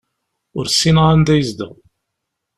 Ur ssineɣ anda yezdeɣ.